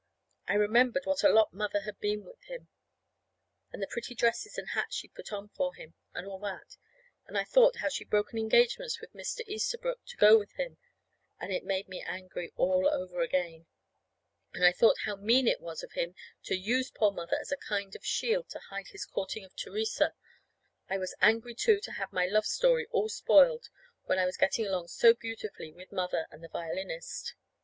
I remembered what a lot Mother had been with him, and the pretty dresses and hats she'd put on for him, and all that. And I thought how she'd broken engagements with Mr. Easterbrook to go with him, and it made me angry all over again. And I thought how mean it was of him to use poor Mother as a kind of shield to hide his courting of Theresa! I was angry, too, to have my love story all spoiled, when I was getting along so beautifully with Mother and the violinist.